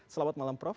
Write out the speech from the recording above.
selamat malam prof